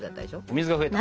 水が増えた。